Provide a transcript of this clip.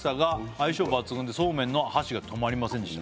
「相性抜群でそうめんの箸が止まりませんでした」